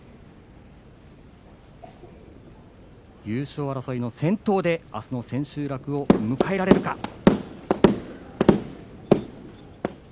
優勝争いの先頭であすの千秋楽を迎えられるか。